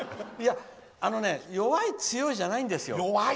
あのね弱い強いじゃないんですよ。